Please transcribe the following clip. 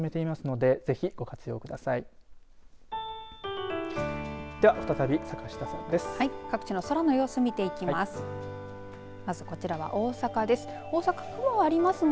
では、再び坂下さんです。